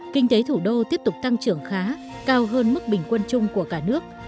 kinh tế thủ đô tiếp tục tăng trưởng khá cao hơn mức bình quân chung của cả nước